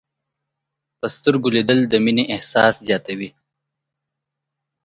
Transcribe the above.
په سترګو لیدل د مینې احساس زیاتوي